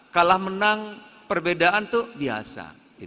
kalah menang perbedaan itu biasa